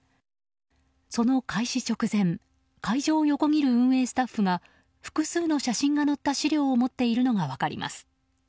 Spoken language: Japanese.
その開始直前会場を横切る運営スタッフが複数の写真が載った資料を持っているのが分かります。